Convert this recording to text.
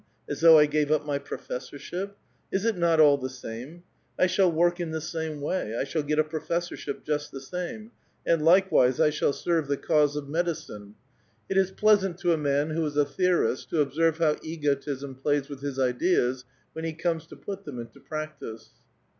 as though I gave up my professorship ! Is it not all the same ? I shall work in the same way ; I shall get a professorship JQst the same, and likewise I shall serve the cause of medi 128 A VITAL QUESTION. cine. It is pleasant to a man who is a theorist to observe how egotism plays with his ideas when he comes to put them into practice."